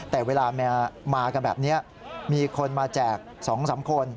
แต่เวลามากันแบบนี้มีคนมาแจก๒๓คน